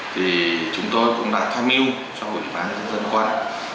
thì chúng tôi cũng đã tham mưu cho bộ y tế dân quân